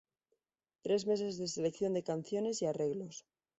Tres meses de selección de canciones y arreglos.